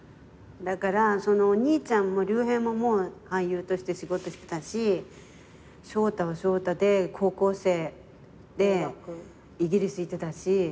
だからお兄ちゃんも龍平ももう俳優として仕事してたし翔太は翔太で高校生でイギリス行ってたし。